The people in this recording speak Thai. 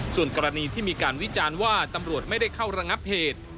ส่วนกรณีที่มีการวิจารณ์ว่าตำรวจไม่ได้เข้าระงับเหตุ